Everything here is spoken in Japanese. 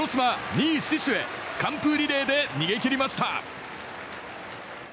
広島、２位死守へ完封リレーで逃げ切りました。